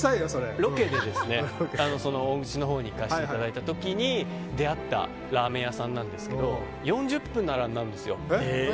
ロケで行かせていただいた時に出会ったラーメン屋さんで４０分並んだんですよ。